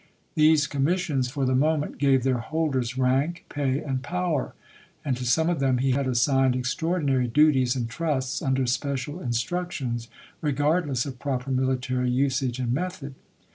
These commissions for the moment gave their holders rank, pay, and power; and to some of them he had assigned extraordinary duties and trusts under special instructions, regardless of proper military usage and method.